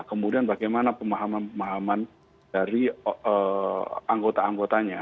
kemudian bagaimana pemahaman pemahaman dari anggota anggotanya